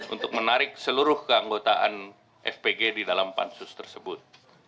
untuk menarik seluruh keanggotaan fpg di dalam pansus tersebut